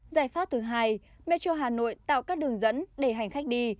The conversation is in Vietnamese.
giải pháp thứ hai metro hà nội tạo các đường dẫn để hành khách đi